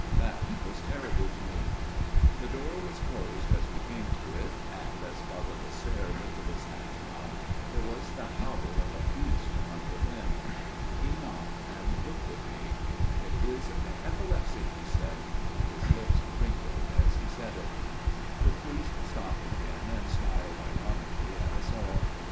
That was terrible to me !" The door was closed as we came to it, and as Father Lasserre lifted his hand to knock there was the howl of a beast from within. " He knocked and looked at me. ' It is but epilepsy,* he said, and his lips wrinkled as he said it." The priest stopped again, and smiled ironically at us all.